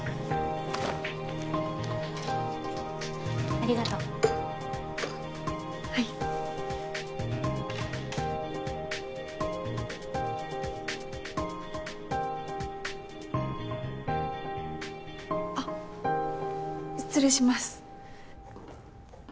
ありがとうはいあっ失礼します